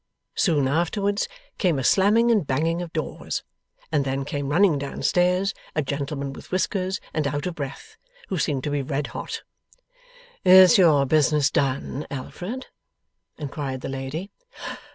Soon afterwards, came a slamming and banging of doors; and then came running down stairs, a gentleman with whiskers, and out of breath, who seemed to be red hot. 'Is your business done, Alfred?' inquired the lady.